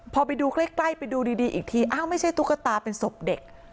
พอไปดูใกล้ไปดูดีอีกทีอ้าวไม่ใช่ตุ๊กตาเป็นศพเด็ก